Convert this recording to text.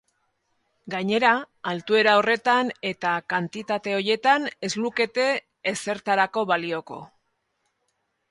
Gainera, altuera horretan eta kantitate horietan ez lukete ezertarako balioko.